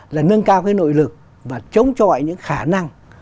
là nâng cao cái nội lực và chống chọi những khả năng